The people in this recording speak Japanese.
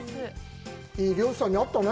いい漁師さんに会ったね。